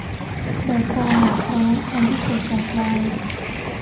แบบฟอร์มหมอพร้อม อันที่กดจากไลน์